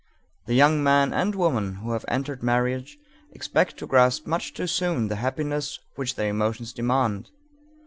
The young man and woman who have entered marriage expect to grasp much too soon the happiness which their emotions demand.